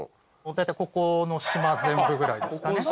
大体ここの島全部ぐらいですかね。